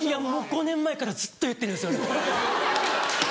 ５年前からずっと言ってるんですよね。